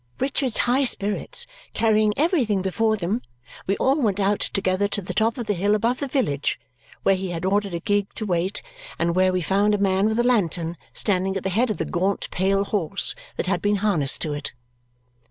Richard's high spirits carrying everything before them, we all went out together to the top of the hill above the village, where he had ordered a gig to wait and where we found a man with a lantern standing at the head of the gaunt pale horse that had been harnessed to it.